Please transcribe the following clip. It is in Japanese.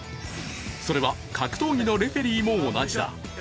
それは格闘技のレフェリーも同じだ。